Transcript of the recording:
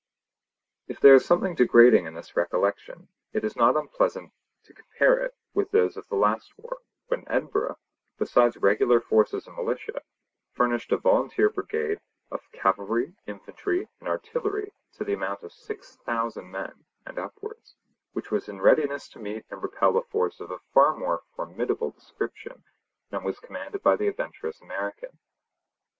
If there is something degrading in this recollection, it is not unpleasant to compare it with those of the last war, when Edinburgh, besides regular forces and militia, furnished a volunteer brigade of cavalry, infantry, and artillery to the amount of six thousand men and upwards, which was in readiness to meet and repel a force of a far more formidable description than was commanded by the adventurous American.